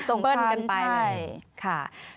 ส่งซ้ำเปิ้ลกันไปใช่ค่ะ